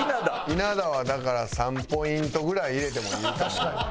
稲田はだから３ポイントぐらい入れてもいいかも。